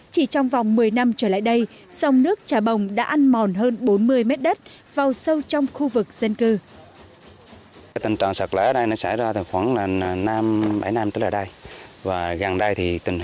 chỉ trong vòng một mươi năm trở lại đây sông nước trà bồng đã ăn mòn hơn bốn mươi mét đất